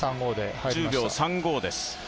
１０秒３５です。